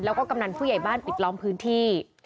แล้วก็กำนันผู้ใหญ่บ้านปิดล้อมพื้นที่